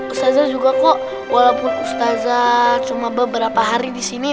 kesada juga kok walaupun ustazah cuma beberapa hari di sini